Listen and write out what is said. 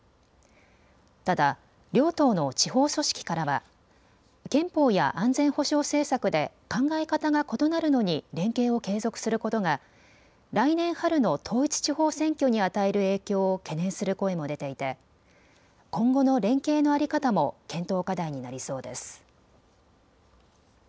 ただ両党の地方組織からは憲法や安全保障政策で考え方が異なるのに連携を継続することが来年春の統一地方選挙に与える影響を懸念する声も出ていて今後の連携の在り方も検討課題になりそうです。